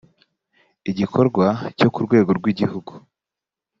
igikorwa cyo ku rwego rw igihugu